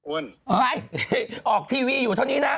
อ้วนอะไรออกทีวีอยู่เท่านี้นะ